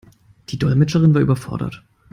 Die Dolmetscherin war überfordert.